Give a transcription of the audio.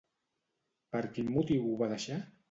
Per quin motiu ho va deixar?